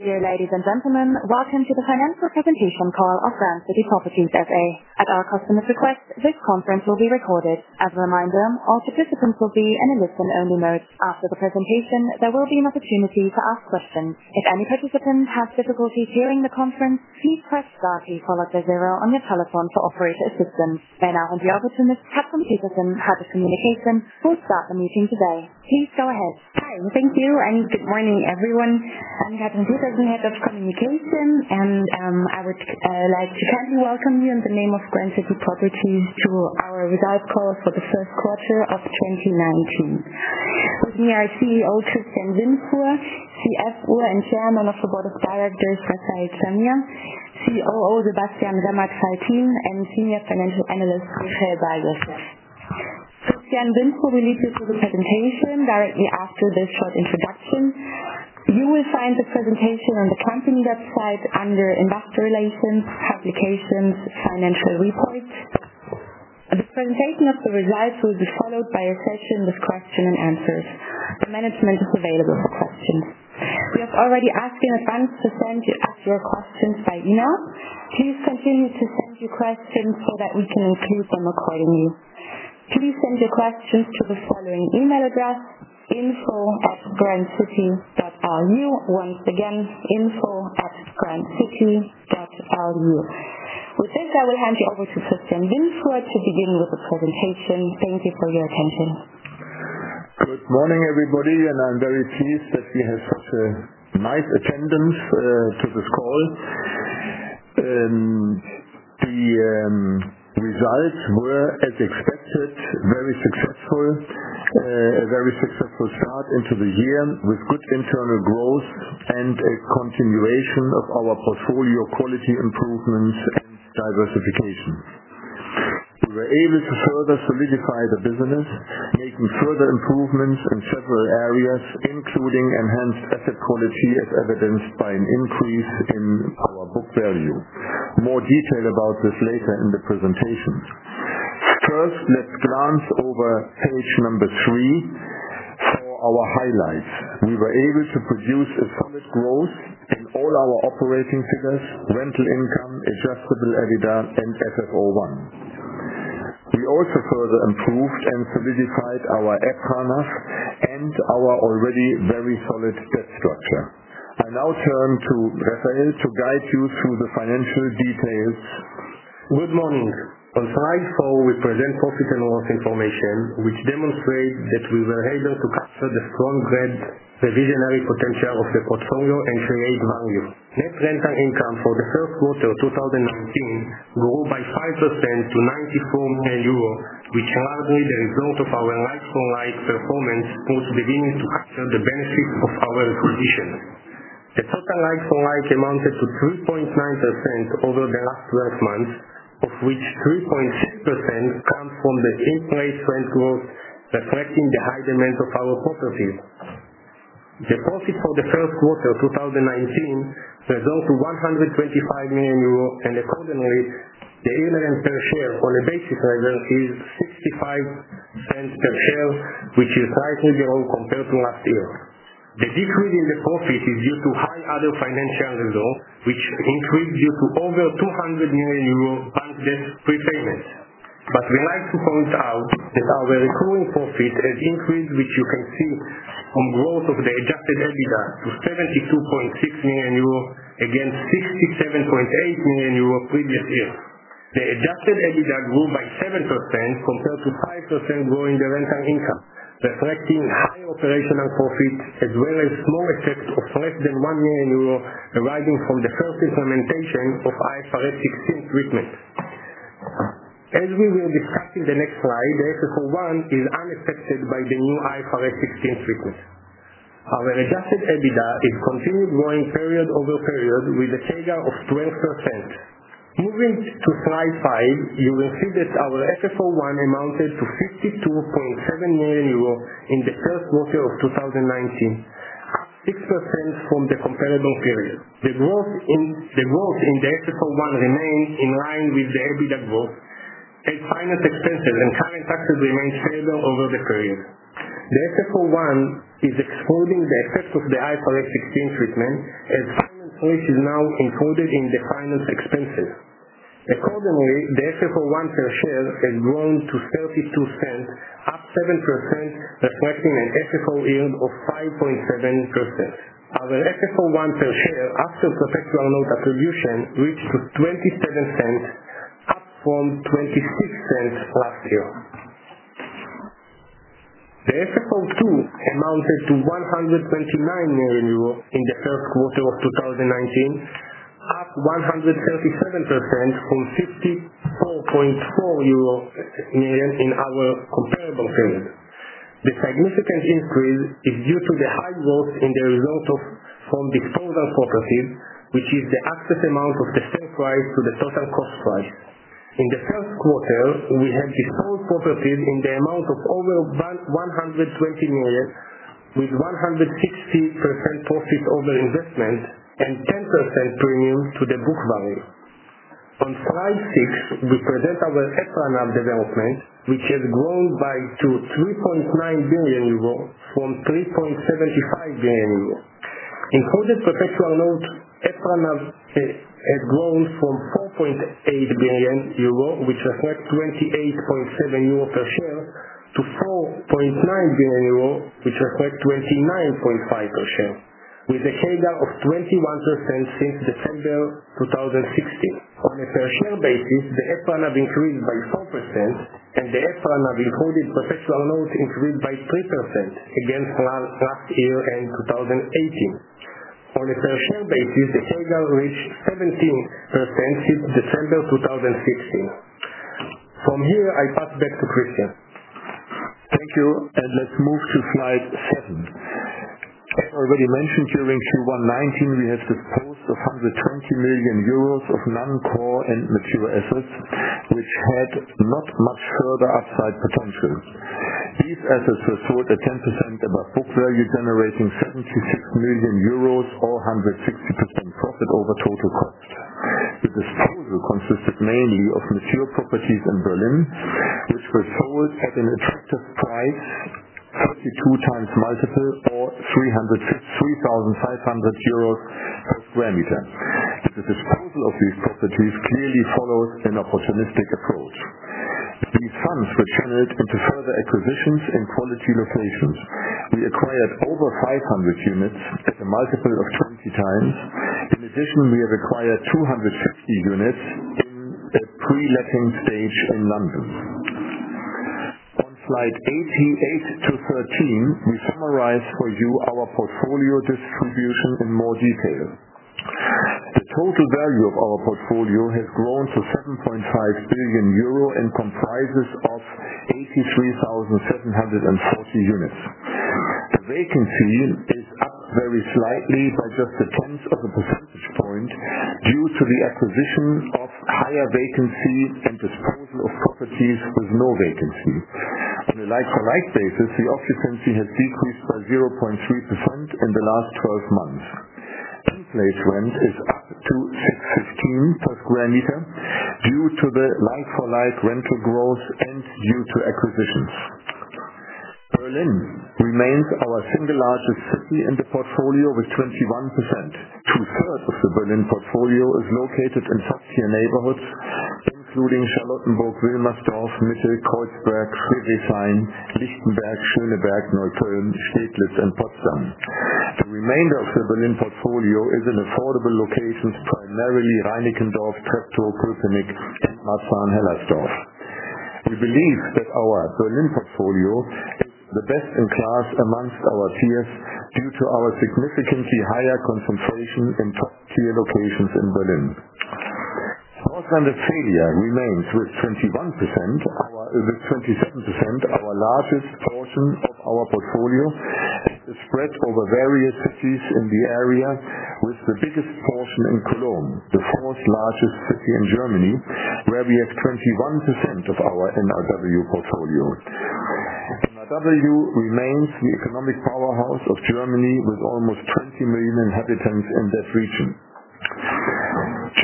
Dear ladies and gentlemen. Welcome to the financial presentation call of Grand City Properties S.A. At our customer's request, this conference will be recorded. As a reminder, all participants will be in a listen-only mode. After the presentation, there will be an opportunity to ask questions. If any participant has difficulty hearing the conference, please press star key, followed by zero on your telephone for operator assistance. I now hand the opportunity to Katrin Petersen, Head of Communication, who will start the meeting today. Please go ahead. Hi. Thank you, and good morning, everyone. I'm Katrin Petersen, Head of Communication, and I would like to kindly welcome you on the name of Grand City Properties to our results call for the first quarter of 2019. With me are CEO Christian Windfuhr, CFO and Chairman of the Board of Directors, Refael Zamir, COO Sebastian Sammartin, and Senior Financial Analyst, Rachel Gal-Yam. Christian Windfuhr will lead you through the presentation directly after this short introduction. You will find the presentation on the company website under investor relations, publications, financial reports. The presentation of the results will be followed by a session with question and answers. The management is available for questions. We have already asked in advance to send us your questions by email. Please continue to send your questions so that we can include them accordingly. Please send your questions to the following email address, info@grandcity.eu. Once again, info@grandcity.eu. With this, I will hand you over to Christian Windfuhr to begin with the presentation. Thank you for your attention. Good morning, everybody. I'm very pleased that we have such a nice attendance to this call. The results were, as expected, very successful. A very successful start into the year, with good internal growth and a continuation of our portfolio quality improvements and diversification. We were able to further solidify the business, making further improvements in several areas, including enhanced asset quality, as evidenced by an increase in our book value. More detail about this later in the presentation. First, let's glance over page number three for our highlights. We were able to produce a solid growth in all our operating figures, rental income, adjusted EBITDA, and FFO I. We also further improved and solidified our FCNF and our already very solid debt structure. I now turn to Refael to guide you through the financial details. Good morning. On slide four, we present profit and loss information, which demonstrates that we were able to capture the strong growth, the visionary potential of the portfolio, and create value. Net rental income for the first quarter 2019 grew by 5% to 94 million euros, which largely the result of our like-for-like performance, which begins to capture the benefits of our acquisition. The total like-for-like amounted to 3.9% over the last 12 months, of which 3.6% comes from the same-place rent growth, reflecting the high demand of our properties. The profit for the first quarter 2019 results to 125 million euro. Accordingly, the earnings per share on a basic measure is 0.65 per share, which is slightly down compared to last year. The decrease in the profit is due to high other financial results, which increased due to over 200 million euro bond debt repayments. We like to point out that our recurring profit has increased, which you can see from growth of the adjusted EBITDA to 72.6 million euro against 67.8 million euro previous year. The adjusted EBITDA grew by 7% compared to 5% growth in the rental income, reflecting high operational profit as well as small effects of less than 1 million euro arising from the first implementation of IFRS 16 treatment. As we will discuss in the next slide, the FFO I is unaffected by the new IFRS 16 treatment. Our adjusted EBITDA has continued growing period-over-period with a CAGR of 12%. Moving to slide five, you will see that our FFO I amounted to 52.7 million euro in the first quarter of 2019, up 6% from the comparable period. The growth in the FFO I remains in line with the EBITDA growth as finance expenses and finance taxes remain stable over the period. The FFO I is excluding the effect of the IFRS 16 treatment as finance lease is now included in the finance expenses. Accordingly, the FFO I per share has grown to 0.32, up 7%, reflecting an FFO yield of 5.7%. Our FFO I per share after perpetual loan attribution reached to 0.27, up from 0.26 last year. The FFO II amounted to 129 million euros in the first quarter of 2019, up 137% from EUR 64.4 million in our comparable period. The significant increase is due to the high growth in the result from disposal properties, which is the asset amount of the sale price to the total cost price. In the first quarter, we have disposed properties in the amount of over 120 million, with 160% profit over investment and 10% premium to the book value. On slide six, we present our EPRA NAV development, which has grown to 3.9 billion euro from 3.75 billion euro. Including perpetual note, EPRA NAV has grown from 4.8 billion euro, which reflects 28.7 euro per share, to 4.9 billion euro, which reflects 29.5 per share, with a CAGR of 21% since December 2016. On a per share basis, the EPRA NAV increased by 4% and the EPRA NAV including perpetual note increased by 3% against last year-end 2018. On a per share basis, the CAGR reached 17% since December 2016. From here, I pass back to Christian. Thank you. Let's move to slide seven. As already mentioned, during Q1 2019, we have disposed of 120 million euros of non-core and mature assets which had not much further upside potential. These assets were sold at 10% above book value, generating 76 million euros or 160% profit over total cost. The disposal consisted mainly of mature properties in Berlin, which were sold at an attractive price 32x multiple or EUR 303,500 per sq m. The disposal of these properties clearly follows an opportunistic approach. These funds were channeled into further acquisitions in quality locations. We acquired over 500 units at a multiple of 20x. In addition, we have acquired 250 units in a pre-letting stage in London. On slide eight to 13, we summarize for you our portfolio distribution in more detail. The total value of our portfolio has grown to 7.5 billion euro and comprises of 83,740 units. The vacancy is up very slightly by just a tenth of a percentage point due to the acquisition of higher vacancy and disposal of properties with no vacancy. On a like-for-like basis, the occupancy has decreased by 0.3% in the last 12 months. In place rent is up to 6.15 per sq m due to the like-for-like rental growth and due to acquisitions. Berlin remains our single largest city in the portfolio with 21%. Two-thirds of the Berlin portfolio is located in top-tier neighborhoods, including Charlottenburg, Wilmersdorf, Mitte, Kreuzberg, Schöneberg, Lichtenberg, Neukölln, Steglitz, and Potsdam. The remainder of the Berlin portfolio is in affordable locations, primarily Reinickendorf, Treptow, Köpenick, and Marzahn-Hellersdorf. We believe that our Berlin portfolio is the best in class amongst our peers due to our significantly higher concentration in top-tier locations in Berlin. North Rhine-Westphalia remains with 27%, our largest portion of our portfolio is spread over various cities in the area with the biggest portion in Cologne, the fourth largest city in Germany, where we have 21% of our NRW portfolio. NRW remains the economic powerhouse of Germany with almost 20 million inhabitants in that region.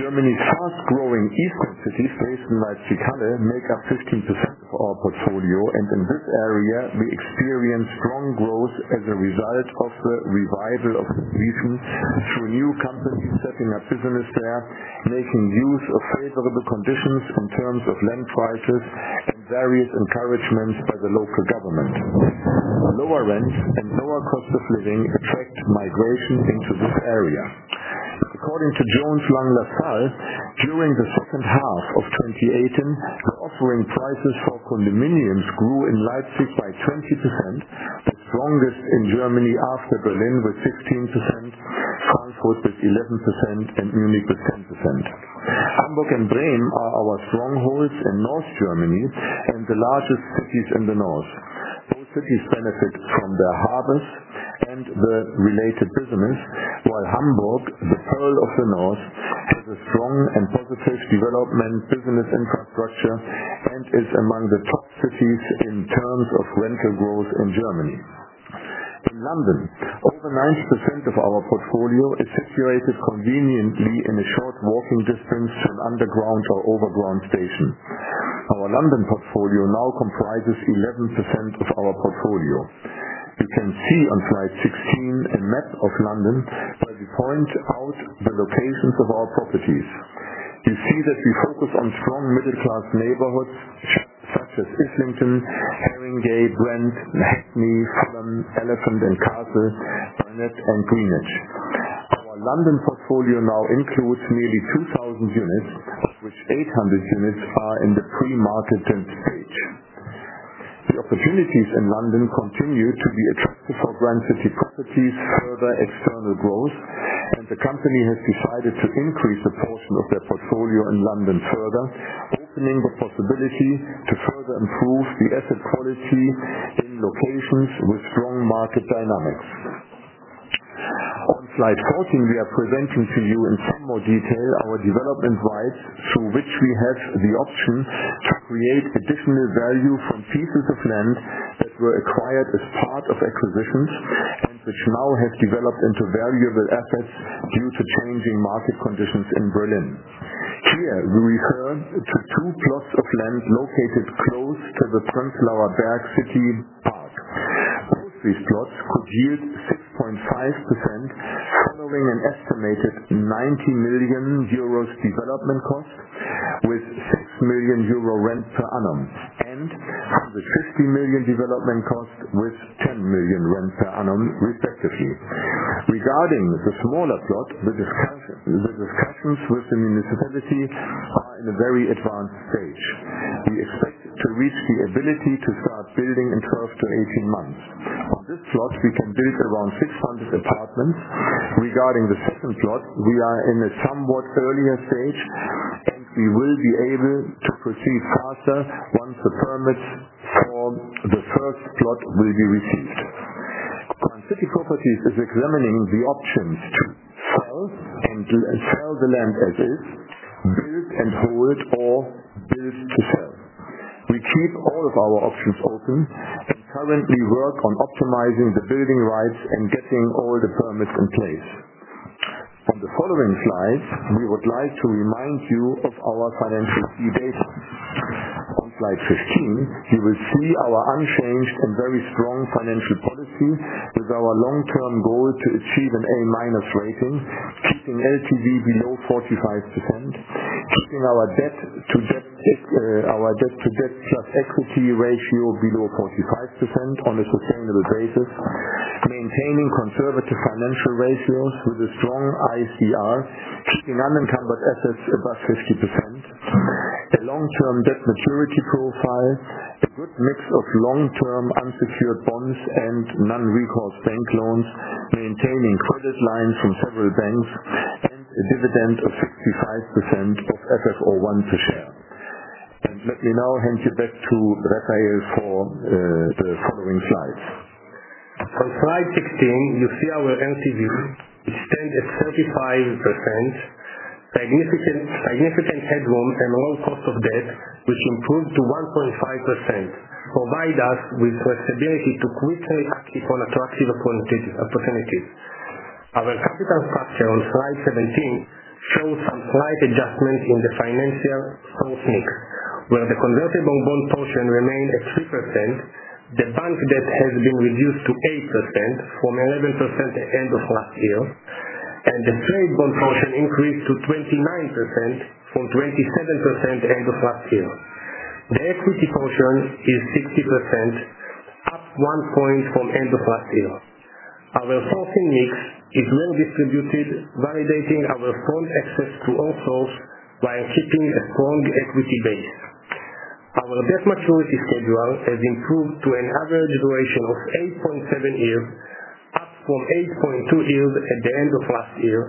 Germany's fast-growing eastern cities based in Leipzig/Halle make up 15% of our portfolio. In this area, we experience strong growth as a result of the revival of the region through new companies setting up business there, making use of favorable conditions in terms of land prices and various encouragements by the local government. Lower rent and lower cost of living attract migration into this area. According to Jones Lang LaSalle, during the second half of 2018, the offering prices for condominiums grew in Leipzig by 20%, the strongest in Germany after Berlin with 16%, Frankfurt with 11%, Munich with 10%. Hamburg and Bremen are our strongholds in North Germany and the largest cities in the north. Both cities benefit from their harbors and the related business, while Hamburg, the Pearl of the North, has a strong and positive development business infrastructure and is among the top cities in terms of rental growth in Germany. In London, over 90% of our portfolio is situated conveniently in a short walking distance to an underground or overground station. Our London portfolio now comprises 11% of our portfolio. You can see on slide 16 a map of London, where we point out the locations of our properties. You see that we focus on strong middle-class neighborhoods such as Islington, Haringey, Brent, Hackney, Fulham, Elephant and Castle, Barnet, and Greenwich. Our London portfolio now includes nearly 2,000 units, of which 800 units are in the pre-marketed stage. The opportunities in London continue to be attractive for Grand City Properties' further external growth. The company has decided to increase the portion of their portfolio in London further, opening the possibility to further improve the asset quality in locations with strong market dynamics. On slide 14, we are presenting to you in some more detail our development sites through which we have the option to create additional value from pieces of land that were acquired as part of acquisitions and which now have developed into valuable assets due to changing market conditions in Berlin. Here, we refer to two plots of land located close to the Prenzlauer Berg City Park. Both these plots could yield 6.5%, following an estimated 90 million euros development cost, with 6 million euro rent per annum, and the 50 million development cost with 10 million rent per annum respectively. Regarding the smaller plot, the discussions with the municipality are in a very advanced stage. We expect to reach the ability to start building in 12 to 18 months. On this plot, we can build around 600 apartments. Regarding the second plot, we are in a somewhat earlier stage. We will be able to proceed faster once the permits for the first plot will be received. Grand City Properties is examining the options to sell the land as is, build and hold, or build to sell. We keep all of our options open and currently work on optimizing the building rights and getting all the permits in place. On the following slide, we would like to remind you of our financial key data. On slide 15, you will see our unchanged and very strong financial policy with our long-term goal to achieve an A-minus rating, keeping LTV below 45%, keeping our debt to debt plus equity ratio below 45% on a sustainable basis, maintaining conservative financial ratios with a strong ICR, keeping unencumbered assets above 50%, a long-term debt maturity profile, a good mix of long-term unsecured bonds and non-recourse bank loans, maintaining credit lines from several banks, and a dividend of 65% of FFO I per share. Let me now hand you back to Refael for the following slides. On slide 16, you see our LTV, which stand at 45%. Significant headroom and low cost of debt, which improved to 1.5%, provide us with the stability to quickly act upon attractive opportunities. Our capital structure on slide 17 shows some slight adjustments in the financial source mix, where the convertible bond portion remained at 3%. The bank debt has been reduced to 8% from 11% at end of last year, and the trade bond portion increased to 29% from 27% at end of last year. The equity portion is 60%, up one point from end of last year. Our sourcing mix is well-distributed, validating our full access to all sources while keeping a strong equity base. Our debt maturity schedule has improved to an average duration of 8.7 years, up from 8.2 years at the end of last year,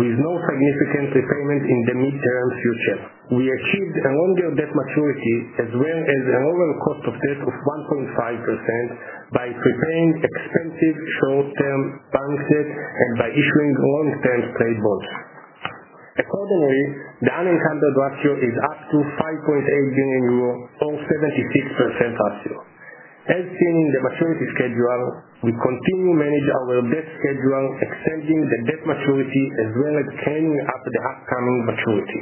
with no significant repayment in the mid-term future. We achieved a longer debt maturity as well as an overall cost of debt of 1.5% by preparing expensive short-term bank debt and by issuing long-term trade bonds. Accordingly, the unencumbered ratio is up to 5.8 billion euro or 76% ratio. As seen in the maturity schedule, we continue to manage our debt schedule, extending the debt maturity as well as paying up the upcoming maturity.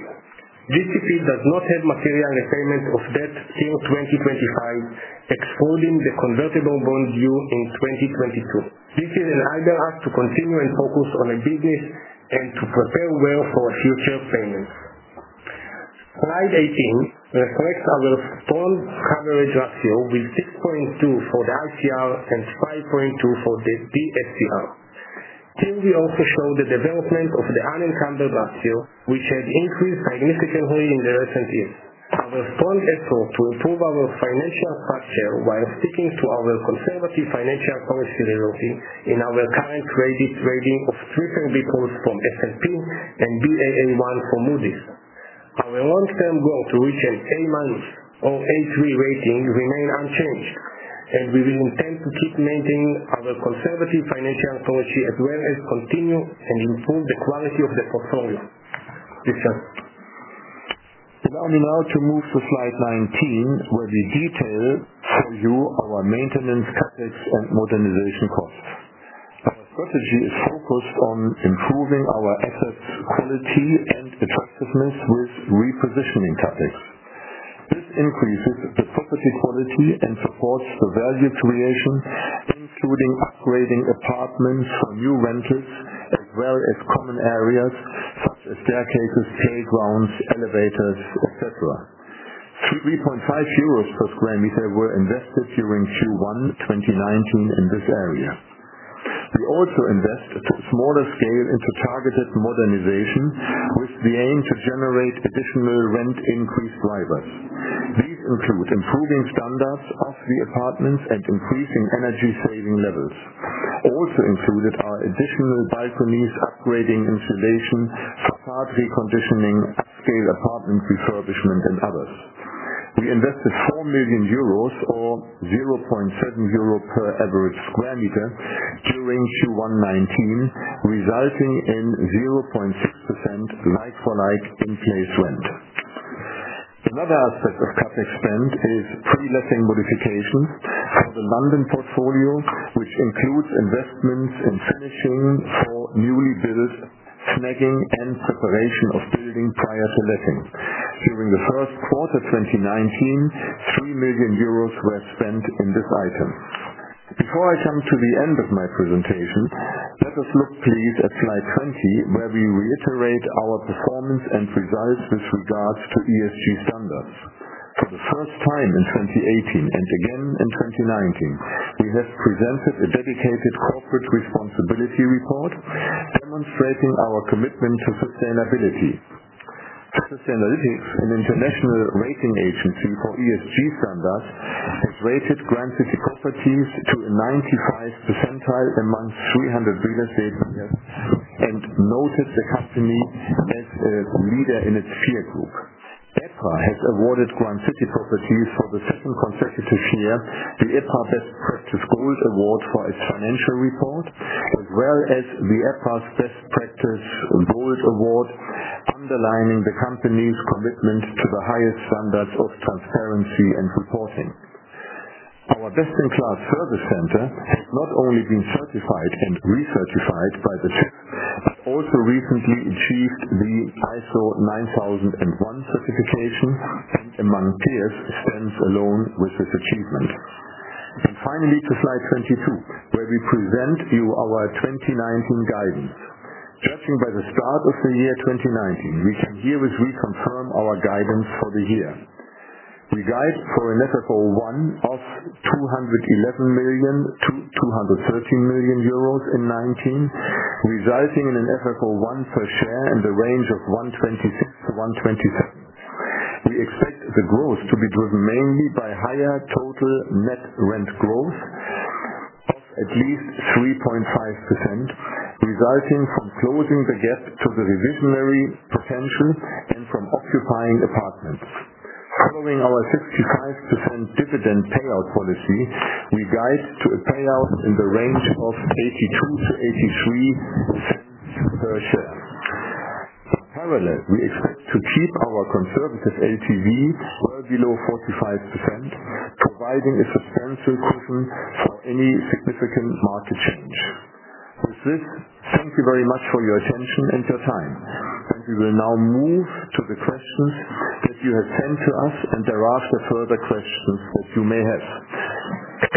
GCP does not have material repayment of debt till 2025, excluding the convertible bond due in 2022. This will enable us to continue and focus on our business and to prepare well for future payments. Slide 18 reflects our strong coverage ratio with 6.2 for the ICR and 5.2 for the DSCR. Here we also show the development of the unencumbered ratio, which has increased significantly in the recent years. Our strong effort to improve our financial structure while sticking to our conservative financial policy resulted in our current credit rating of BBB+ from S&P and Baa1 from Moody's. Our long-term goal to reach an A- or A3 rating remains unchanged. We will intend to keep maintaining our conservative financial policy as well as continue and improve the quality of the portfolio. Christian. Allow me now to move to slide 19, where we detail for you our maintenance CapEx and modernization costs. Our strategy is focused on improving our assets' quality and attractiveness with repositioning CapEx. This increases the property quality and supports the value creation, including upgrading apartments for new renters as well as common areas such as staircases, playgrounds, elevators, et cetera. 3.5 euros per square meter were invested during Q1 2019 in this area. We also invest to a smaller scale into targeted modernization with the aim to generate additional rent increase drivers. These include improving standards of the apartments and increasing energy-saving levels. Also included are additional balconies, upgrading insulation, facade reconditioning, upscale apartment refurbishment, and others. We invested 4 million euros or 0.7 euro per average square meter during Q1 2019, resulting in 0.6% like-for-like in-place rent. Another aspect of cut expense is pre-letting modifications for the London portfolio, which includes investments in finishing for newly built snagging and preparation of building prior to letting. During the first quarter 2019, 3 million euros were spent on this item. Before I come to the end of my presentation, let us look please at slide 20, where we reiterate our performance and results with regards to ESG standards. For the first time in 2018 and again in 2019, we have presented a dedicated corporate responsibility report demonstrating our commitment to sustainability. Sustainalytics, an international rating agency for ESG standards, has rated Grand City Properties to a 95 percentile amongst 300 real estate players and noted the company as a leader in its peer group. EPRA has awarded Grand City Properties for the second consecutive year, the EPRA Best Practice Gold Award for its financial report, as well as the EPRA's Best Practice Gold Award, underlying the company's commitment to the highest standards of transparency and reporting. Our best-in-class service center has not only been certified and recertified by the SH, but also recently achieved the ISO 9001 certification and among peers, stands alone with this achievement. Finally, to slide 22, where we present you our 2019 guidance. Judging by the start of the year 2019, we can herewith reconfirm our guidance for the year. We guide for an FFO I of 211 million-213 million euros in 2019, resulting in an FFO I per share in the range of 1.26-1.27. We expect the growth to be driven mainly by higher total net rent growth of at least 3.5%, resulting from closing the gap to the reversionary potential and from occupying apartments. Following our 65% dividend payout policy, we guide to a payout in the range of 82%-83% per share. Parallel, we expect to keep our conservative LTV well below 45%, providing a substantial cushion for any significant market change. With this, thank you very much for your attention and your time. We will now move to the questions that you have sent to us and thereafter, further questions that you may have.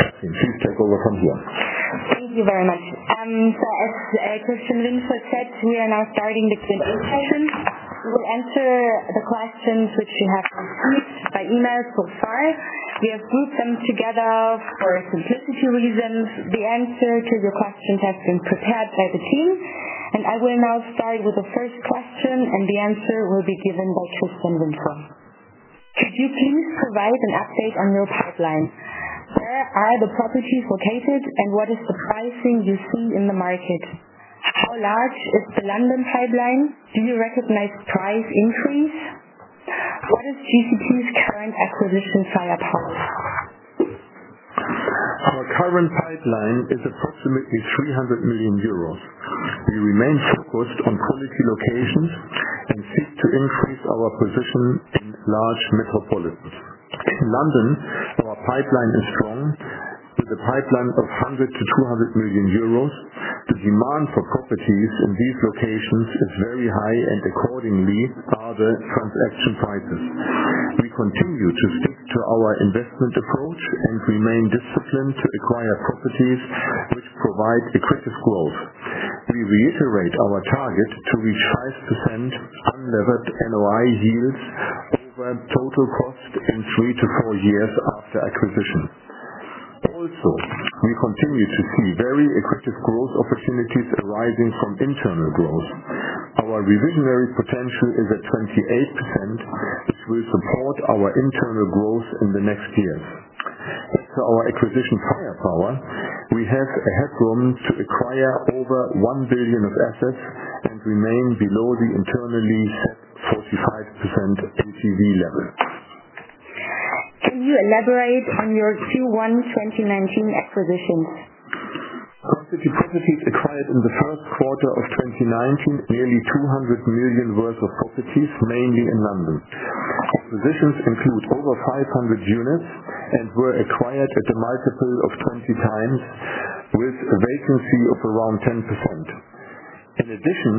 Katrin, please take over from here. Thank you very much. As Christian Windfuhr said, we are now starting the Q&A session. We will answer the questions which we have received by email so far. We have grouped them together for simplicity reasons. The answer to your questions has been prepared by the team. I will now start with the first question, and the answer will be given by Christian Windfuhr. Could you please provide an update on your pipeline? Where are the properties located and what is the pricing you see in the market? How large is the London pipeline? Do you recognize price increase? What is GCP's current acquisition firepower? Our current pipeline is approximately 300 million euros. We remain focused on quality locations and seek to increase our position in large metropolis. In London, our pipeline is strong, with a pipeline of 100 million-200 million euros. The demand for properties in these locations is very high and accordingly, are the transaction prices. We continue to stick to our investment approach and remain disciplined to acquire properties which provide accretive growth. We reiterate our target to reach 5% unlevered NOI yields over total cost in three to four years after acquisition. We continue to see very accretive growth opportunities arising from internal growth. Our reversionary potential is at 28%, which will support our internal growth in the next years. As to our acquisition firepower, we have a headroom to acquire over 1 billion of assets and remain below the internally set 45% LTV level. Can you elaborate on your Q1 2019 acquisitions? Grand City Properties acquired in the first quarter of 2019, nearly 200 million worth of properties, mainly in London. Acquisitions include over 500 units and were acquired at a multiple of 20 times, with a vacancy of around 10%. In addition,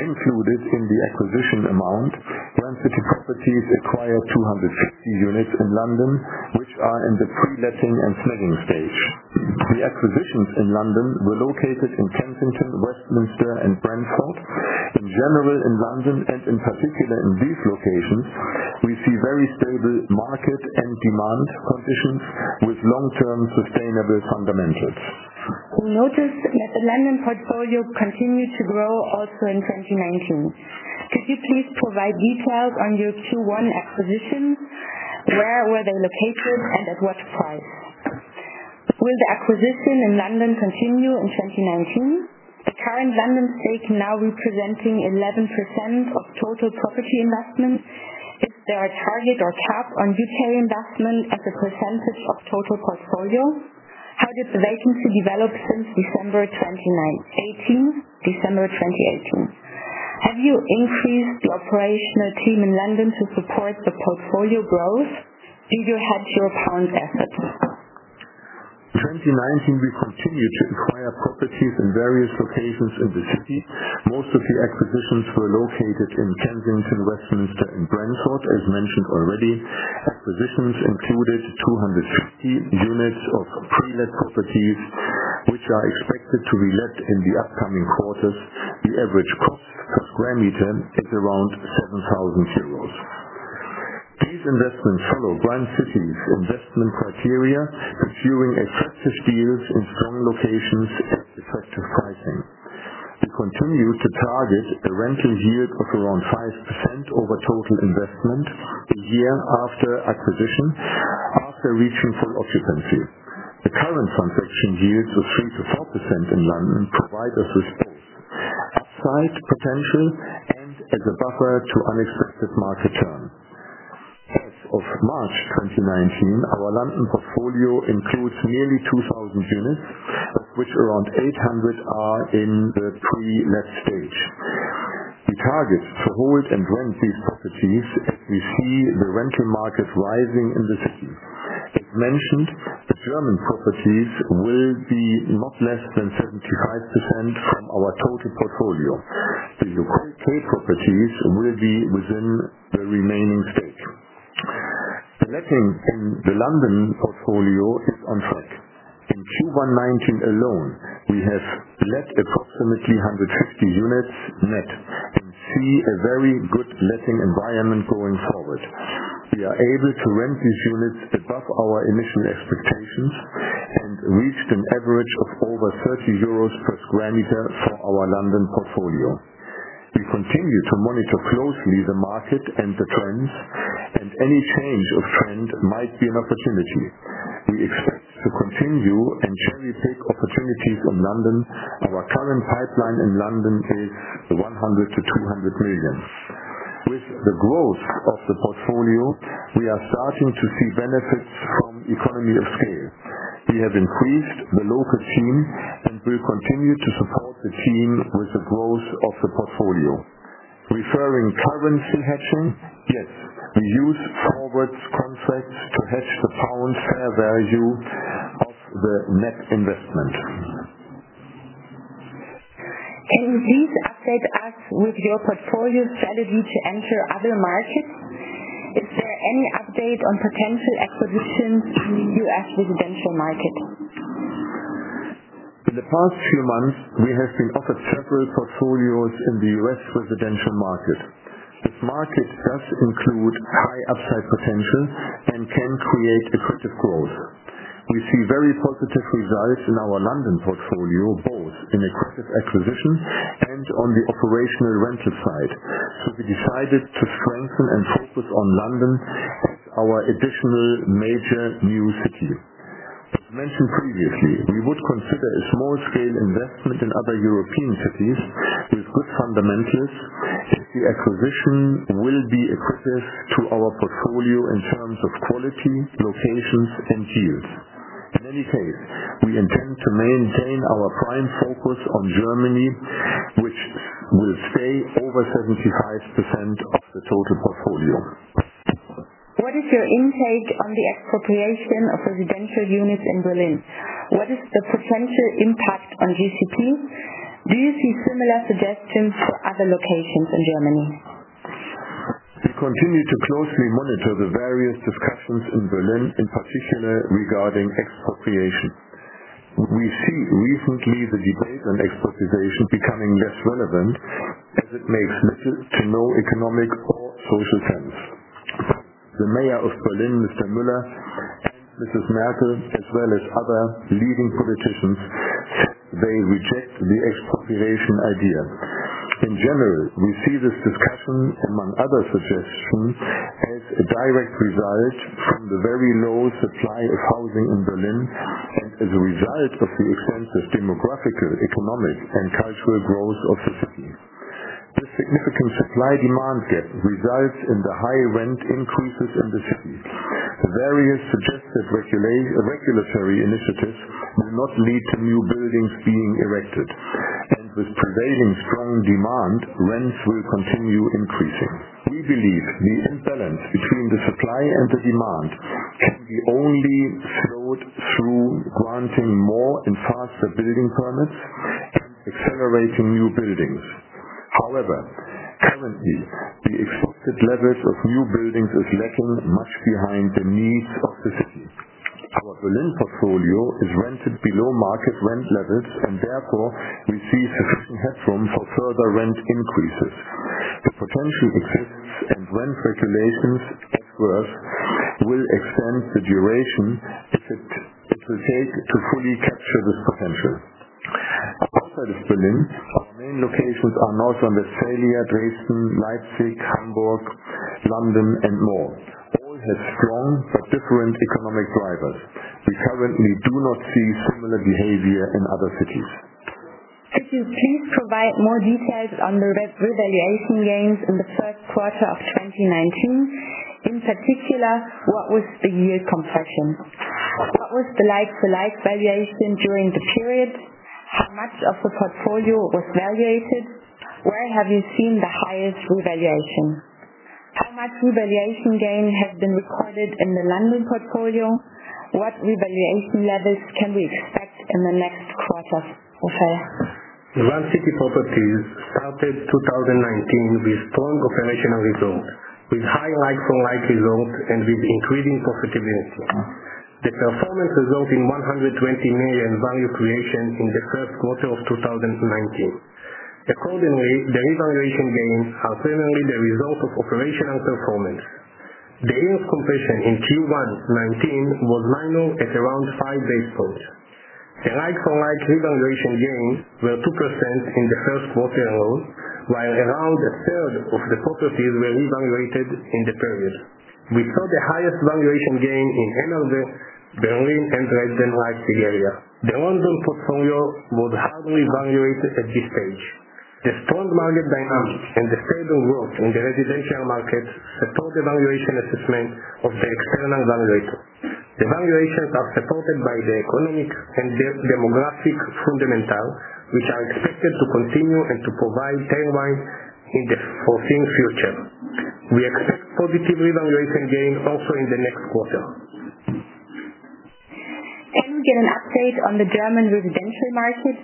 and included in the acquisition amount, Grand City Properties acquired 250 units in London, which are in the pre-letting and snagging stage. The acquisitions in London were located in Kensington, Westminster, and Brentford. In general, in London and in particular in these locations, we see very stable market and demand conditions with long-term sustainable fundamentals. We noticed that the London portfolio continued to grow also in 2019. Could you please provide details on your Q1 acquisitions? Where were they located and at what price? Will the acquisition in London continue in 2019? The current London stake now representing 11% of total property investment. Is there a target or cap on U.K. investment as a percentage of total portfolio? How has the agency developed since December 2018? Have you increased the operational team in London to support the portfolio growth? Do you hedge your current assets? 2019, we continued to acquire properties in various locations in the city. Most of the acquisitions were located in Kensington, Westminster, and Brentford. As mentioned already, acquisitions included 250 units of pre-let properties, which are expected to be let in the upcoming quarters. The average cost per square meter is around 7,000 euros. These investments follow Grand City's investment criteria, pursuing attractive deals in strong locations at attractive pricing. We continue to target a rental yield of around 5% over total investment a year after acquisition, after reaching full occupancy. The current transaction yields of 3%-4% in London provide us with both upside potential and as a buffer to unexpected market churn. As of March 2019, our London portfolio includes nearly 2,000 units, of which around 800 are in the pre-let stage. We target to hold and rent these properties as we see the rental market rising in the city. As mentioned, the German properties will be not less than 75% from our total portfolio. The U.K. properties will be within the remaining stake. Letting in the London portfolio is on track. In Q1 2019 alone, we have let approximately 150 units net and see a very good letting environment going forward. We are able to rent these units above our initial expectations and reached an average of over 30 euros per sq m for our London portfolio. We continue to monitor closely the market and the trends, and any change of trend might be an opportunity. We expect to continue and cherry-pick opportunities in London. Our current pipeline in London is 100 million-200 million. With the growth of the portfolio, we are starting to see benefits from economy of scale. We have increased the local team and will continue to support the team with the growth of the portfolio. Referring currency hedging, yes, we use forward contracts to hedge the pound fair value of the net investment. Can you please update us with your portfolio strategy to enter other markets? Is there any update on potential acquisitions in the U.S. residential market? In the past few months, we have been offered several portfolios in the U.S. residential market. This market does include high upside potential and can create accretive growth. We see very positive results in our London portfolio, both in accretive acquisitions and on the operational rental side. We decided to strengthen and focus on London as our additional major new city. As mentioned previously, we would consider a small-scale investment in other European cities with good fundamentals if the acquisition will be accretive to our portfolio in terms of quality, locations, and yields. In any case, we intend to maintain our prime focus on Germany, which will stay over 75% of the total portfolio. What is your take on the expropriation of residential units in Berlin? What is the potential impact on GCP? Do you see similar suggestions for other locations in Germany? We continue to closely monitor the various discussions in Berlin, in particular regarding expropriation. We see recently the debate on expropriation becoming less relevant as it makes little to no economic or social sense. The mayor of Berlin, Mr. Müller, and Mrs. Merkel, as well as other leading politicians, say they reject the expropriation idea. In general, we see this discussion, among other suggestions, as a direct result from the very low supply of housing in Berlin and as a result of the extensive demographic, economic, and cultural growth of the city. The significant supply-demand gap results in the high rent increases in the city. The various suggested regulatory initiatives will not lead to new buildings being erected. With prevailing strong demand, rents will continue increasing. We believe the imbalance between the supply and the demand can be only slowed through granting more and faster building permits and accelerating new buildings. However, currently, the expected levels of new buildings is lagging much behind the needs of the city. Our Berlin portfolio is rented below market rent levels, and therefore we see significant headroom for further rent increases. The potential effects and rent regulations at worst will extend the duration that it will take to fully capture this potential. Outside of Berlin, our main locations are North Rhine-Westphalia, Dresden, Leipzig, Hamburg, London, and more. All have strong but different economic drivers. We currently do not see similar behavior in other cities. Could you please provide more details on the revaluation gains in the first quarter of 2019. In particular, what was the yield compression? What was the like-to-like valuation during the period? How much of the portfolio was valuated? Where have you seen the highest revaluation? How much revaluation gain has been recorded in the London portfolio? What revaluation levels can we expect in the next quarter? Okay. Grand City Properties started 2019 with strong operational results, with high like-for-like results, and with increasing profitability. The performance resulting 120 million value creation in the first quarter of 2019. Accordingly, the revaluation gains are primarily the result of operational performance. The yield compression in Q1 '19 was minor at around five basis points. A like-for-like revaluation gains were 2% in the first quarter alone, while around a third of the properties were revaluated in the period. We saw the highest valuation gain in Heidelberg, Berlin, and Dresden, Leipzig area. The London portfolio was hardly valuated at this stage. The strong market dynamics and the stable growth in the residential market support the valuation assessment of the external valuator. The valuations are supported by the economic and demographic fundamentals, which are expected to continue and to provide tailwinds in the foreseen future. We expect positive revaluation gain also in the next quarter. Can we get an update on the German residential market?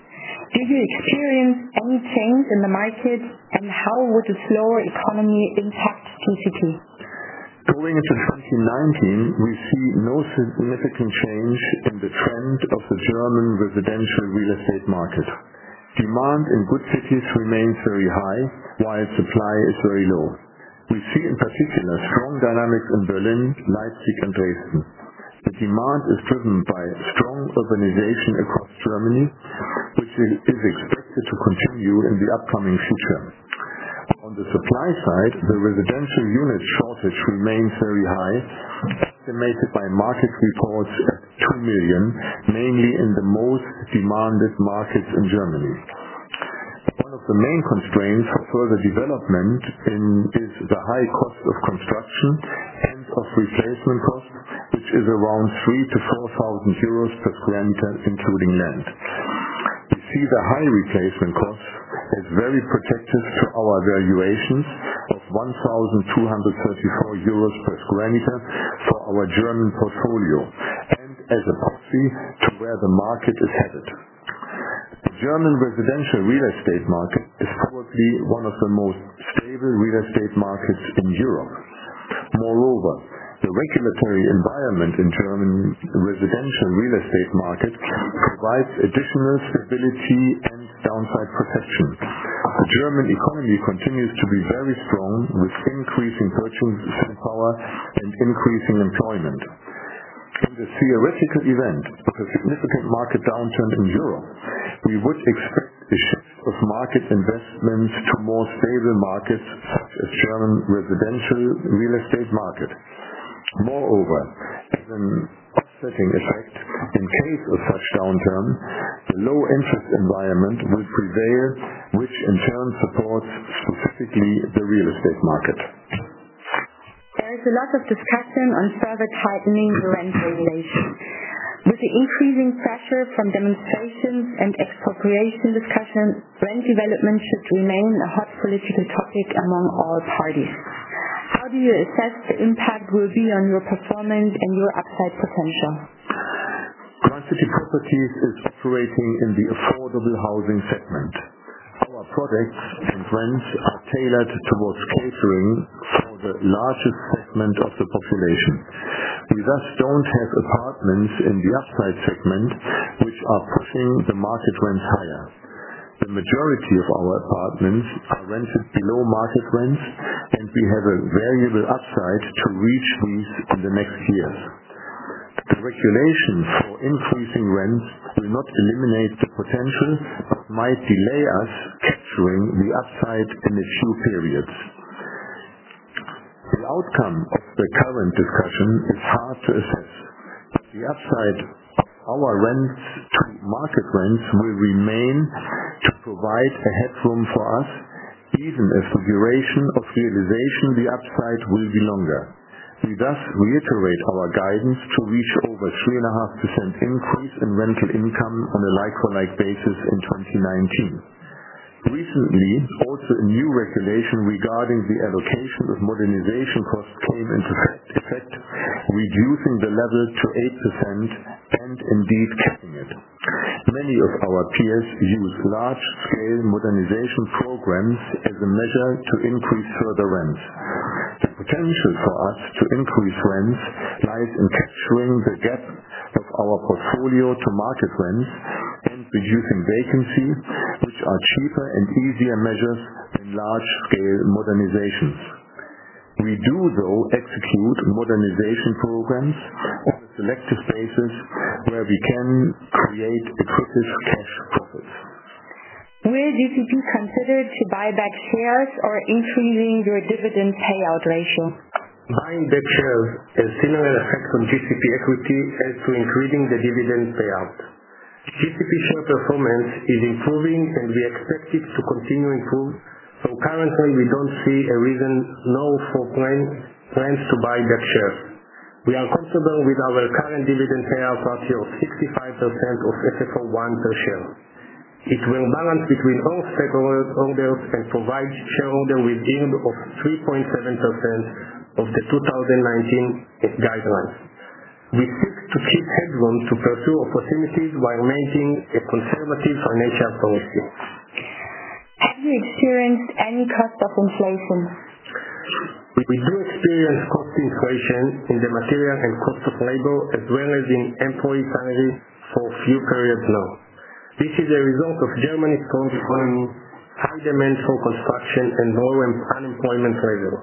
Did you experience any change in the market, and how would the slower economy impact GCP? Going into 2019, we see no significant change in the trend of the German residential real estate market. Demand in good cities remains very high, while supply is very low. We see, in particular, strong dynamics in Berlin, Leipzig, and Dresden. The demand is driven by strong urbanization across Germany, which is expected to continue in the upcoming future. On the supply side, the residential unit shortage remains very high, estimated by market reports at 2 million, mainly in the most demanded markets in Germany. One of the main constraints for further development is the high cost of construction and cost replacement cost, which is around 3,000 to 4,000 euros per sq m, including land. We see the high replacement cost as very protective to our valuations of 1,234 euros per sq m for our German portfolio, and as a proxy to where the market is headed. The German residential real estate market is currently one of the most stable real estate markets in Europe. Moreover, the regulatory environment in German residential real estate market provides additional stability and downside protection. The German economy continues to be very strong, with increasing purchasing power and increasing employment. In the theoretical event of a significant market downturn in Europe, we would expect a shift of market investments to more stable markets such as German residential real estate market. Moreover, as an offsetting effect, in case of such downturn, the low interest environment will prevail, which in turn supports specifically the real estate market. There is a lot of discussion on further tightening the rent regulation. With the increasing pressure from demonstrations and expropriation discussions, rent development should remain a hot political topic among all parties. How do you assess the impact will be on your performance and your upside potential? Grand City Properties is operating in the affordable housing segment. Our products and rents are tailored towards catering for the largest segment of the population. We thus don't have apartments in the upside segment, which are pushing the market rents higher. The majority of our apartments are rented below market rents, and we have a valuable upside to reach these in the next years. The regulations for increasing rents will not eliminate the potential, but might delay us capturing the upside in the short periods. The outcome of the current discussion is hard to assess, but the upside of our rents to market rents will remain to provide a headroom for us, even if the duration of realization the upside will be longer. We thus reiterate our guidance to reach over 3.5% increase in rental income on a like-for-like basis in 2019. Recently, also a new regulation regarding the allocation of modernization costs came into effect, reducing the level to 8% and indeed capping it. Many of our peers use large-scale modernization programs as a measure to increase further rents. The potential for us to increase rents lies in capturing the gap of our portfolio to market rents and reducing vacancies, which are cheaper and easier measures than large-scale modernizations. We do, though, execute modernization programs on a selective basis where we can create a quick cash profit. Will GCP consider to buy back shares or increasing your dividend payout ratio? Buying back shares has a similar effect on GCP equity as to increasing the dividend payout. GCP share performance is improving, and we expect it to continue to improve. Currently, we don't see a reason now for plans to buy back shares. We are comfortable with our current dividend payout ratio of 65% of FFO I per share. It will balance between all stakeholders and provide shareholders with a yield of 3.7% of the 2019 guidelines. We seek to keep headroom to pursue opportunities while maintaining a conservative financial policy. Have you experienced any cost of inflation? We do experience cost inflation in the material and cost of labor, as well as in employee salaries for a few periods now. This is a result of Germany's current high demand for construction and low unemployment figures.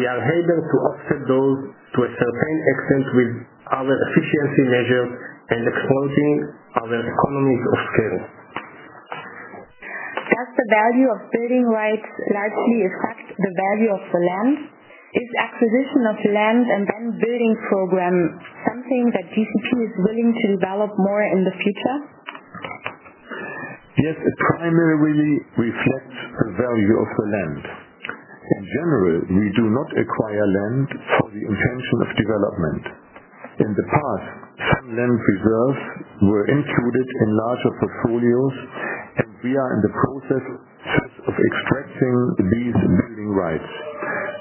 We are able to offset those to a certain extent with other efficiency measures and exploiting other economies of scale. Does the value of building rights largely affect the value of the land? Is acquisition of land and then building program something that GCP is willing to develop more in the future? Yes, it primarily reflects the value of the land. In general, we do not acquire land for the intention of development. In the past, some land reserves were included in larger portfolios, and we are in the process of extracting these building rights.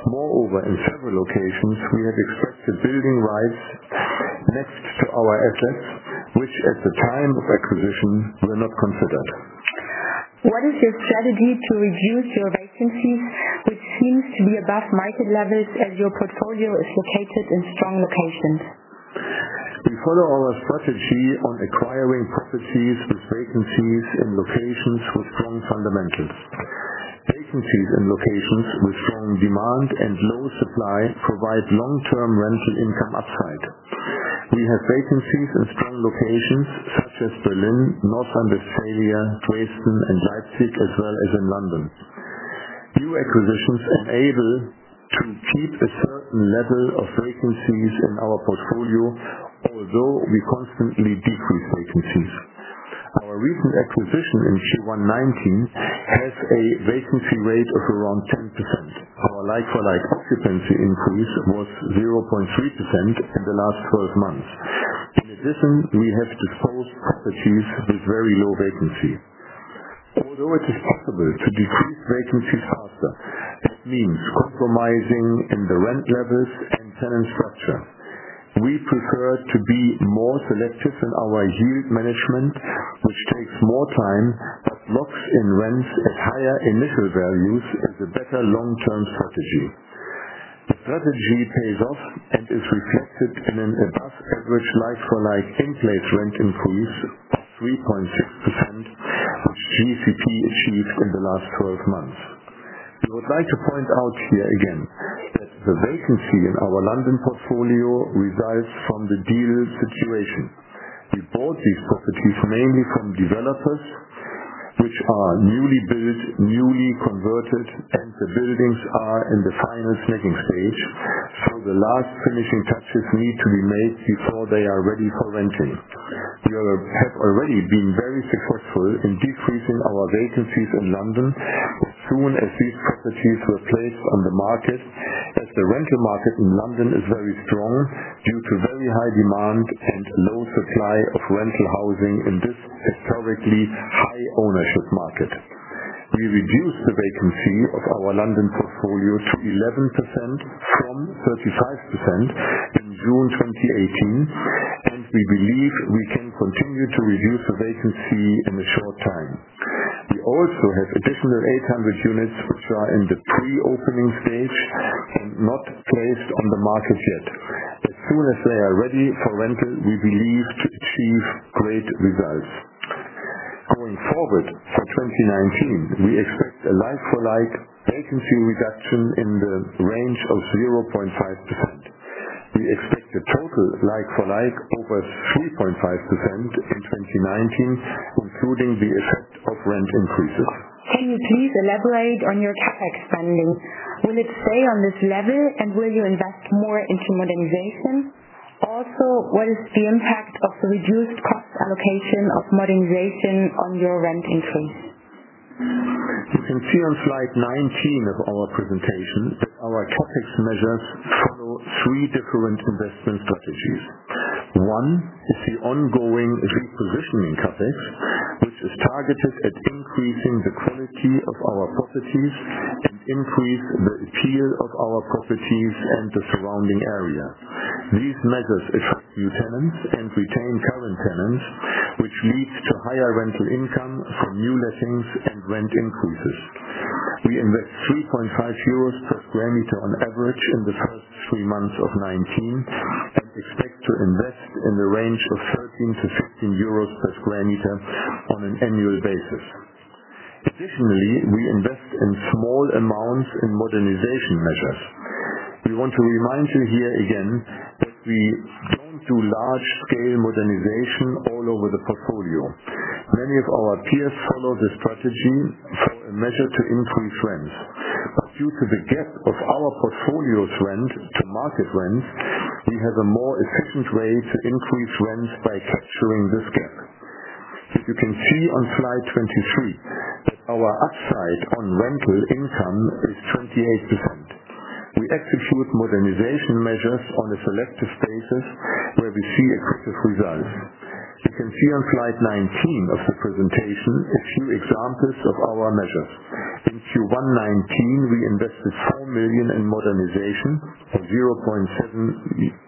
Moreover, in several locations, we have extracted building rights next to our assets, which at the time of acquisition were not considered. What is your strategy to reduce your vacancies, which seems to be above market levels as your portfolio is located in strong locations? We follow our strategy of acquiring properties with vacancies in locations with strong fundamentals. Vacancies in locations with strong demand and low supply provide long-term rental income upside. We have vacancies in strong locations such as Berlin, North Rhine-Westphalia, Dresden, and Leipzig, as well as in London. New acquisitions enable us to keep a certain level of vacancies in our portfolio, although we constantly decrease vacancies. Our recent acquisition in Q1 2019 has a vacancy rate of around 10%. Our like-for-like occupancy increase was 0.3% in the last 12 months. In addition, we have disposed of properties with very low vacancy. Although it is possible to decrease vacancies faster, it means compromising on the rent levels and tenant structure. We prefer to be more selective in our yield management, which takes more time, but locks in rents at higher initial values is a better long-term strategy. The strategy pays off and is reflected in an above-average like-for-like in-place rent increase of 3.6%, which GCP achieved in the last 12 months. We would like to point out here again that the vacancy in our London portfolio resides from the deal situation. We bought these properties mainly from developers, which are newly built, newly converted, and the buildings are in the final snagging stage. The last finishing touches need to be made before they are ready for renting. We have already been very successful in decreasing our vacancies in London as soon as these properties were placed on the market, as the rental market in London is very strong due to very high demand and low supply of rental housing in this historically high ownership market. We reduced the vacancy of our London portfolio to 11% from 35% in June 2018. We believe we can continue to reduce the vacancy in a short time. We also have an additional 800 units, which are in the pre-opening stage and not placed on the market yet. As soon as they are ready for rental, we believe to achieve great results. Going forward, for 2019, we expect a like-for-like vacancy reduction in the range of 0.5%. We expect a total like-for-like over 3.5% in 2019, including the effect of rent increases. Can you please elaborate on your CapEx spending? Will it stay on this level? Will you invest more into modernization? What is the impact of the reduced cost allocation of modernization on your rent increase? You can see on slide 19 of our presentation that our CapEx measures follow three different investment strategies. One is the ongoing repositioning CapEx, which is targeted at increasing the quality of our properties and increase the appeal of our properties and the surrounding area. These measures attract new tenants and retain current tenants, which leads to higher rental income from new lettings and rent increases. We invest 3.5 euros per square meter on average in the first three months of 2019 and expect to invest in the range of 13-15 euros per square meter on an annual basis. Additionally, we invest small amounts in modernization measures. We want to remind you here again that we don't do large-scale modernization all over the portfolio. Many of our peers follow the strategy for a measure to increase rents. Due to the gap of our portfolio's rent to market rent, we have a more efficient way to increase rents by capturing this gap. You can see on slide 23 that our upside on rental income is 28%. We execute modernization measures on a selective basis where we see accretive results. You can see on slide 19 of the presentation a few examples of our measures. In Q1 2019, we invested 4 million in modernization at 0.7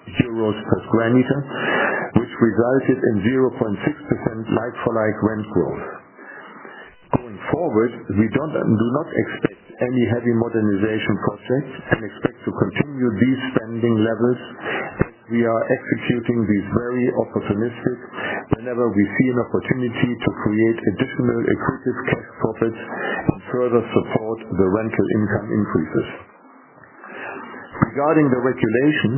euros per sq m, which resulted in 0.6% like-for-like rent growth. Going forward, we do not expect any heavy modernization projects and expect to continue these spending levels, but we are executing these very opportunistic whenever we see an opportunity to create additional accretive cash profits to further support the rental income increases. Regarding the regulation,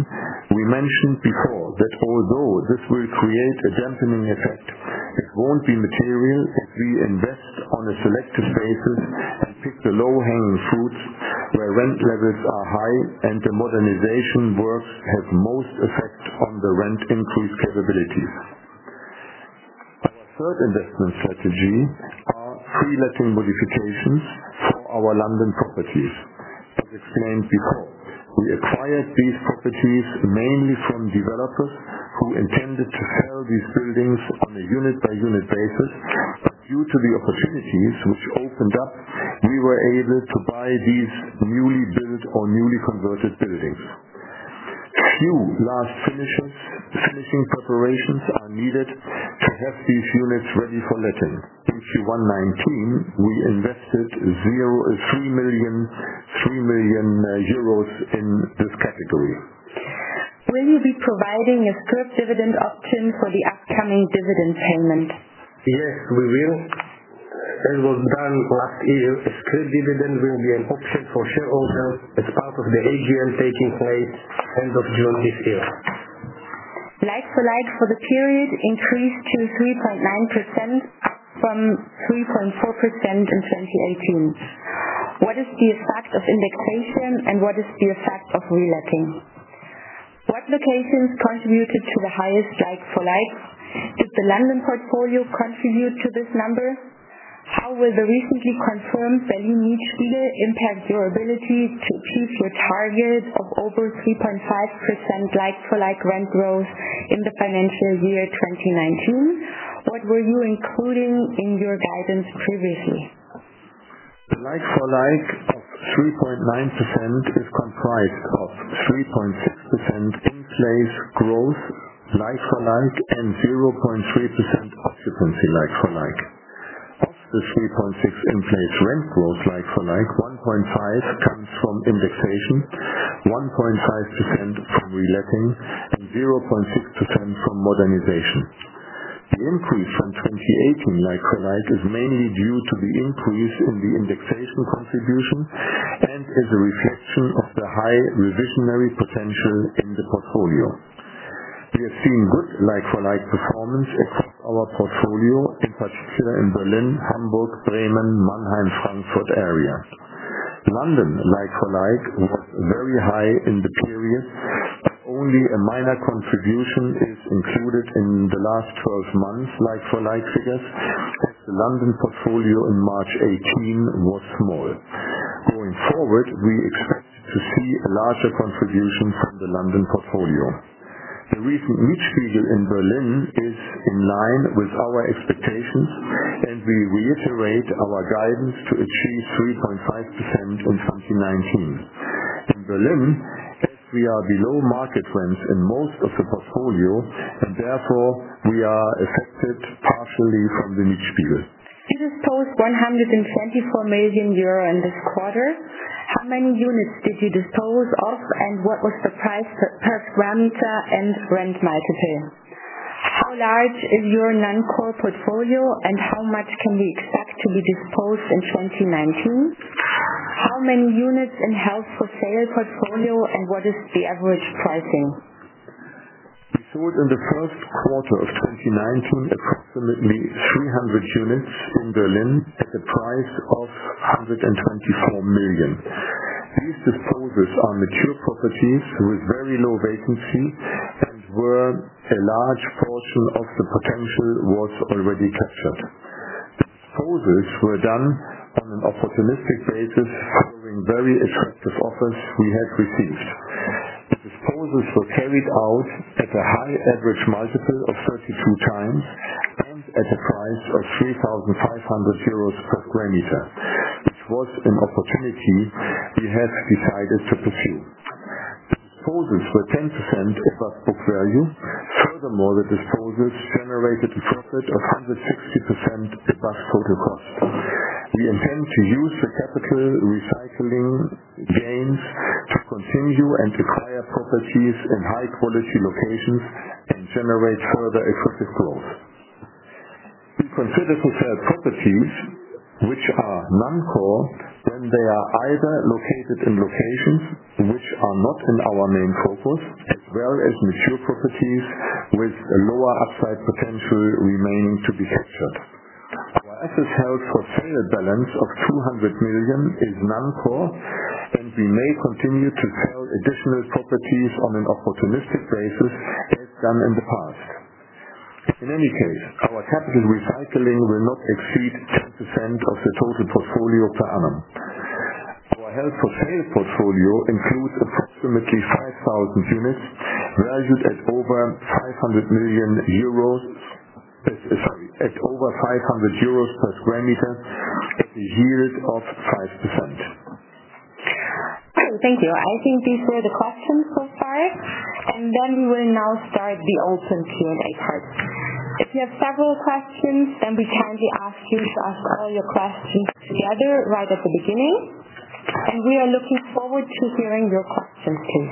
we mentioned before that although this will create a dampening effect, it won't be material if we invest on a selective basis and pick the low-hanging fruits where rent levels are high and the modernization works have most effect on the rent increase capabilities. Our third investment strategy are pre-letting modifications for our London properties. As explained before, we acquired these properties mainly from developers who intended to sell these buildings on a unit-by-unit basis. Due to the opportunities which opened up, we were able to buy these newly built or newly converted buildings. A few last finishing preparations are needed to have these units ready for letting. In Q1 2019, we invested 3 million euros in this category. Will you be providing a scrip dividend option for the upcoming dividend payment? Yes, we will. As was done last year, a scrip dividend will be an option for shareholders as part of the AGM taking place end of June this year. Like-for-like for the period increased to 3.9% from 3.4% in 2018. What is the effect of indexation and what is the effect of reletting? What locations contributed to the highest like-for-like? Did the London portfolio contribute to this number? How will the recently confirmed Berliner Mietspiegel impact your ability to achieve your target of over 3.5% like-for-like rent growth in the financial year 2019? What were you including in your guidance previously? Like-for-like of 3.9% is comprised of 3.6% in place growth like-for-like and 0.3% occupancy like-for-like. Of the 3.6% in place rent growth like-for-like, 1.5% comes from indexation, 1.5% from reletting, and 0.6% from modernization. The increase from 2018 like-for-like is mainly due to the increase in the indexation contribution and is a reflection of the high reversionary potential in the portfolio. We have seen good like-for-like performance across our portfolio, in particular in Berlin, Hamburg, Bremen, Mannheim, Frankfurt area. London like-for-like was very high in the period, but only a minor contribution is included in the last 12 months like-for-like figures, as the London portfolio in March 2018 was small. Going forward, we expect to see a larger contribution from the London portfolio. The recent Mietspiegel in Berlin is in line with our expectations, and we reiterate our guidance to achieve 3.5% in 2019. In Berlin, as we are below market rents in most of the portfolio, and therefore we are affected partially from the Mietspiegel. You disposed 124 million euro in this quarter. How many units did you dispose of and what was the price per square meter and rent multiple? How large is your non-core portfolio and how much can we expect to be disposed in 2019? How many units in held-for-sale portfolio and what is the average pricing? We sold in the first quarter of 2019 approximately 300 units in Berlin at the price of 124 million. These disposals are mature properties with very low vacancy and where a large portion of the potential was already captured. The disposals were done on an opportunistic basis following very attractive offers we had received. The disposals were carried out at a high average multiple of 32 times and at a price of 3,500 euros per sq m, which was an opportunity we had decided to pursue. The disposals were 10% above book value. Furthermore, the disposals generated a profit of 160% above book cost. We intend to use the capital recycling gains to continue and acquire properties in high-quality locations and generate further accretive growth. We consider prepared properties which are non-core, then they are either located in locations which are not in our main focus, as well as mature properties with lower upside potential remaining to be captured. Our assets held for sale balance of 200 million is non-core, and we may continue to sell additional properties on an opportunistic basis as done in the past. In any case, our capital recycling will not exceed 10% of the total portfolio per annum. Our held-for-sale portfolio includes approximately 5,000 units valued at over 500 euros per sq m, at a yield of 5%. Thank you. I think these were the questions so far. We will now start the open Q&A part. If you have several questions, then we kindly ask you to ask all your questions together right at the beginning. We are looking forward to hearing your questions too.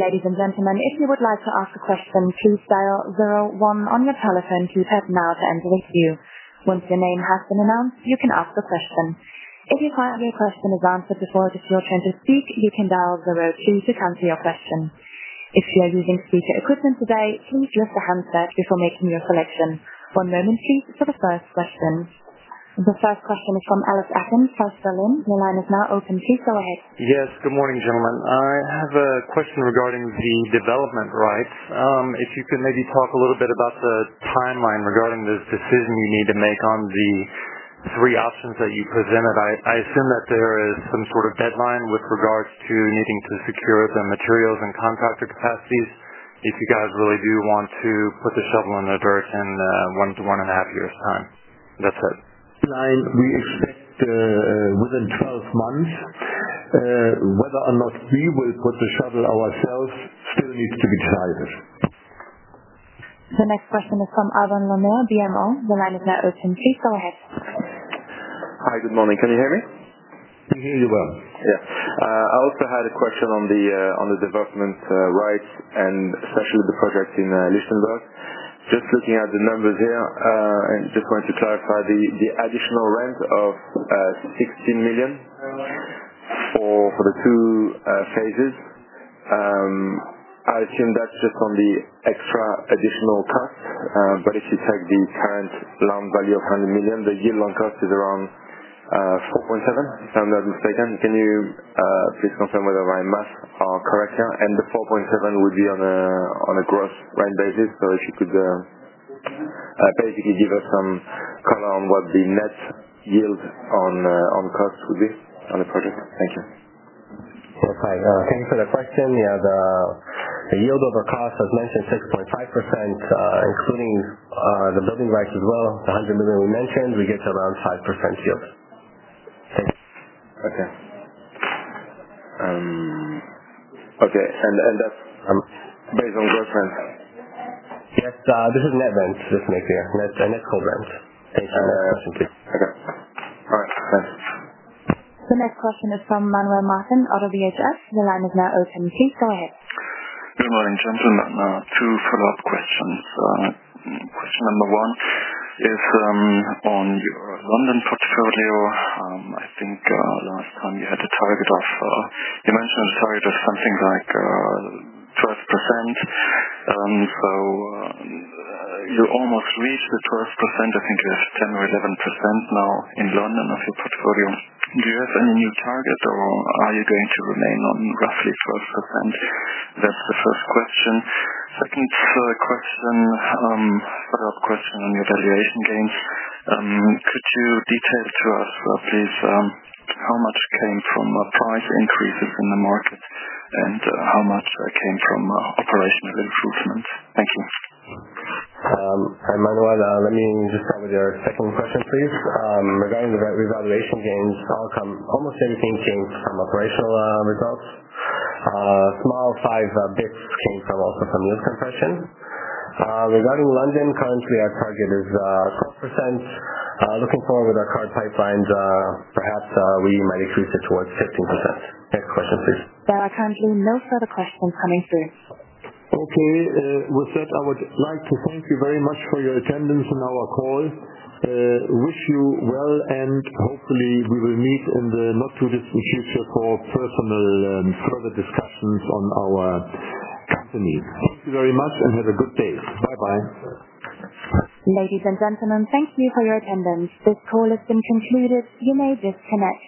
Ladies and gentlemen, if you would like to ask a question, please dial zero one on your telephone keypad now to enter queue. Once your name has been announced, you can ask the question. If you find your question is answered before it is your turn to speak, you can dial zero two to cancel your question. If you are using speaker equipment today, please mute the handset before making your selection. One moment please for the first question. The first question is from Alice Evans, First Berlin. Your line is now open. Please go ahead. Yes. Good morning, gentlemen. I have a question regarding the development rights. If you could maybe talk a little bit about the timeline regarding the decision you need to make on the three options that you presented. I assume that there is some sort of deadline with regards to needing to secure the materials and contractor capacities, if you guys really do want to put the shovel in the dirt in one to one and a half years' time. That's it. We expect within 12 months. Whether or not we will put the shovel ourselves still needs to be decided. The next question is from Alban Lamer, BMO. The line is now open. Please go ahead. Hi. Good morning. Can you hear me? We hear you well. Yeah. I also had a question on the development rights and especially the project in Lichtenberg. Just looking at the numbers here, and just want to clarify the additional rent of 16 million for the 2 phases. I assume that's just on the extra additional cost. But if you take the current land value of 100 million, the yield on cost is around 4.7%. If my math are correct. Can you please confirm whether my math are correct here? And the 4.7% would be on a gross rent basis. If you could basically give us some color on what the net yield on costs would be on the project. Thank you. Yes. Thank you for the question. Yeah. The yield over cost, as mentioned, 6.5%, including the building rights as well. The 100 million we mentioned, we get around 5% yield. Okay. That's based on gross rent? Yes. This is net rent, just making it net pro forma. Okay. All right. Thanks. The next question is from Manuel Martin ODDO BHF. The line is now open. Please go ahead. Good morning, gentlemen. Two follow-up questions. Question number 1 is on your London portfolio. You mentioned a target of something like 12%. You almost reached the 12%. I think you have 10 or 11% now in London of your portfolio. Do you have any new target, or are you going to remain on roughly 12%? That's the first question. Second follow-up question on your valuation gains. Could you detail to us, please, how much came from price increases in the market and how much came from operational improvements? Thank you. Hi, Manuel. Let me just start with your second question, please. Regarding the revaluation gains, almost everything came from operational results. A small size bit came also from lease compression. Regarding London, currently our target is 12%. Looking forward with our current pipelines, perhaps we might increase it towards 15%. Next question, please. There are currently no further questions coming through. Okay. With that, I would like to thank you very much for your attendance on our call. Wish you well, and hopefully we will meet in the not too distant future for personal further discussions on our company. Thank you very much and have a good day. Bye-bye. Ladies and gentlemen, thank you for your attendance. This call has been concluded. You may disconnect.